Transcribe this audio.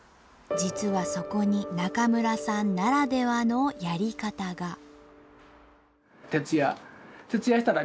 実はそこに中村さんならではのやり方が。